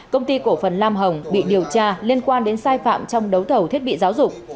công ty cổ phần nam hồng bị điều tra liên quan đến sai phạm trong đấu thầu thiết bị giáo dục